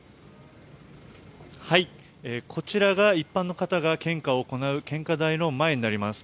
こちらが一般の方が献花を行う献花台の前になります。